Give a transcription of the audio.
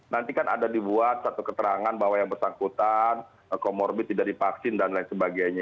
nanti kan ada dibuat satu keterangan bahwa yang bersangkutan comorbid tidak dipaksin dan lain sebagainya